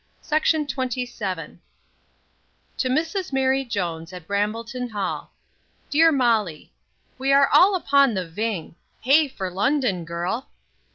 MELFORD BATH, May 10. To Mrs MARY JONES, at Brambleton hall. DEAR MOLLY, We are all upon the ving Hey for London, girl!